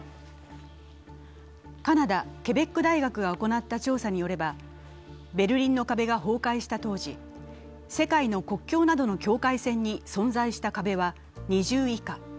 カナダ・ケベック大学が行った調査によれば、ベルリンの壁が崩壊した当時、世界の国境などの境界線に存在した壁は２０以下。